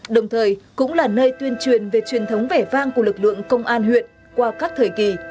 đồng thời cũng là nơi tuyên truyền về truyền thống vẻ vang của lực lượng công an huyện qua các thời kỳ